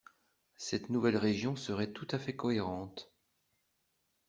Cette nouvelle région serait tout à fait cohérente.